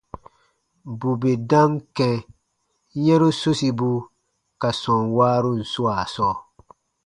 Bù bè dam kɛ̃ yɛ̃ru sosibu ka sɔm waarun swaa sɔɔ,